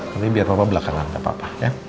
tapi biar papa belakangan gak apa apa ya